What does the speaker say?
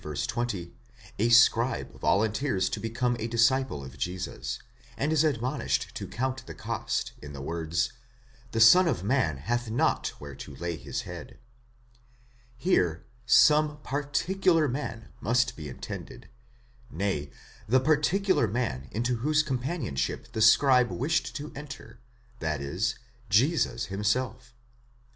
20, a scribe volunteers to become a disciple of Jesus, and is admonished to count the cost in the words, Zhe Son of man hath not where to lay his head, ὃ vids τοῦ ἀνθρώπου οὐκ ἔχει, ποῦ τὴν κεφαλὴν κλίνῃ : here some particular man must be intended, nay, the particular man into whose companionship the scribe wished to enter, that is, Jesus himself.